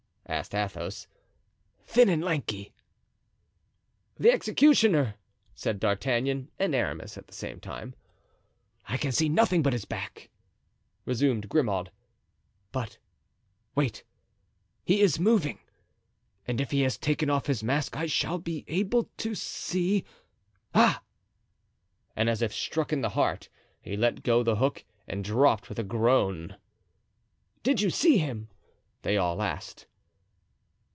asked Athos. "Thin and lanky." "The executioner," said D'Artagnan and Aramis at the same time. "I can see nothing but his back," resumed Grimaud. "But wait. He is moving; and if he has taken off his mask I shall be able to see. Ah——" And as if struck in the heart he let go the hook and dropped with a groan. "Did you see him?" they all asked.